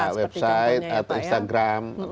ya website atau instagram